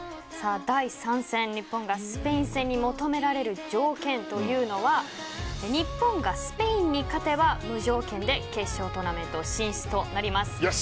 第３戦、日本がスペイン戦に求められる条件というのは日本がスペインに勝てば無条件で決勝トーナメント進出となります。